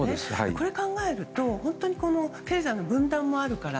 これを考えると経済の分断もあるから。